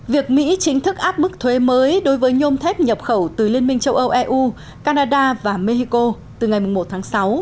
việc mỹ chính thức áp mức thuế mới đối với nhôm thép nhập khẩu từ liên minh châu âu eu canada và mexico từ ngày một tháng sáu